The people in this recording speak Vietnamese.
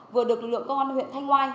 vừa được lực lượng công an huyện thanh oai